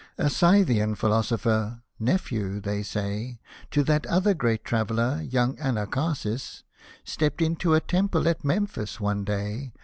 A Scythian philosopher (nephew, they say. To that other great traveller, young Anacharsis), Stept into a temple at Memphis one day.